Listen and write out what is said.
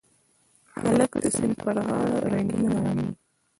هلک د سیند پر غاړه رنګین غمي